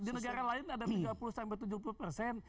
di negara lain ada tiga puluh tujuh puluh persen